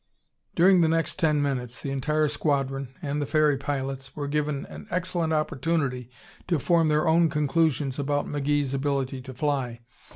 During the next ten minutes the entire squadron, and the ferry pilots, were given an excellent opportunity to form their own conclusions about McGee's ability to fly.